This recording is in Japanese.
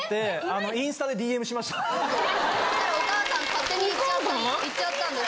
したらお母さん勝手に行っちゃったんです。